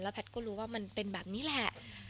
แพทย์ก็รู้ว่ามันเป็นแบบนี้แหละ